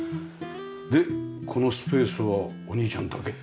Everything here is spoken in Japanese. でこのスペースはお兄ちゃんだけ？